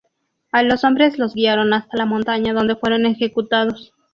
A los hombres los guiaron hasta la montaña donde fueron ejecutados.